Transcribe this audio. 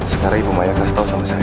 sekarang ibu maya akan berada di rumah